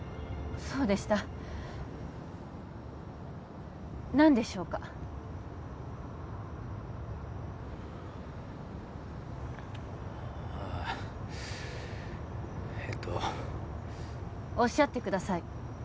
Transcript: そうでした何でしょうかああえとおっしゃってください